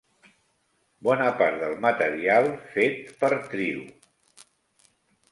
Bona part del material fet per Trio!